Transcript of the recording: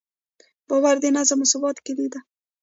باور د نظم او ثبات کیلي ده.